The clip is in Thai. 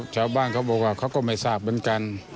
ชาวบ้านเขาบอกว่าเขาก็ไม่ทราบเหมือนกัน